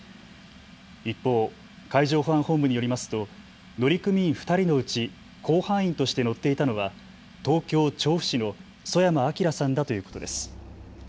一方、海上保安本部によりますと乗組員２人のうち甲板員として乗っていたのは東京調布市の曽山聖さんだということです。